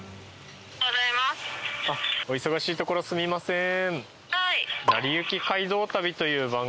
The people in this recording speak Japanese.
お忙しいところすみません。